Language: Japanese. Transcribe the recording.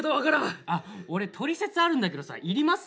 「あっ俺取説あるんだけどさいります？」